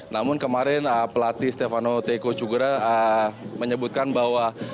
namun kemarin pelatih stefano teco cugura menyebutkan bahwa